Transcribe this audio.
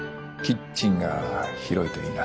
キッチンが広いといいな。